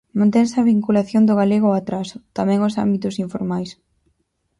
Mantense a vinculación do galego ao atraso, tamén aos ámbitos informais.